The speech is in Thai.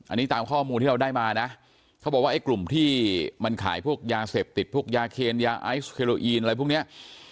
อันนี้ตามข้อมูลที่เราได้มานะเขาบอกว่าไอ้กลุ่มที่มันขายพวกยาเสพติดพวกยาเคนยาไอซ์เคโลอีนอะไรพวกเนี้ย